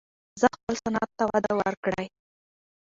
خپل صنعت ته وده ورکړئ.